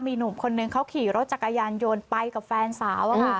มีหนุ่มคนนึงเขาขี่รถจักรยานยนต์ไปกับแฟนสาว